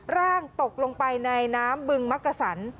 ร่างตกลงไปในน้ำบึงมักกะสัน